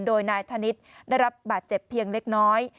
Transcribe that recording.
โดยนายธนิษฐ์ได้รับบาดเจ็บเพียงเล็กน้อย